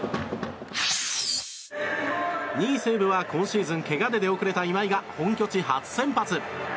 ２位、西武は今シーズンけがで出遅れた今井が本拠地初先発。